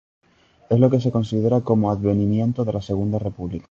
Es lo que se considera como advenimiento de la segunda república.